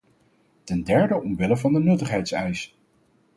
Ten derde omwille van de nuttigheidseis.